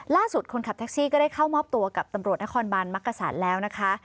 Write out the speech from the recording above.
คนขับแท็กซี่ก็ได้เข้ามอบตัวกับตำรวจนครบานมักกษัตริย์แล้วนะคะ